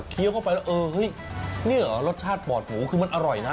เคี้ยวเข้าไปแล้วนี่เหรอรสชาติปอดหมูคือมันอร่อยนะ